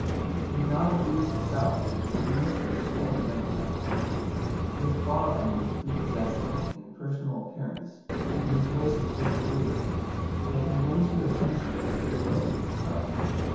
"He did not abuse the South, the Administration, or the Democrats. He is far from prepossessing in personal appearance, and his voice is disagreeable, yet he wins your attention and good will from the start.